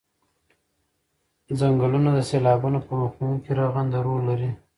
څنګلونه د سیلابونو په مخنیوي کې رغنده رول لري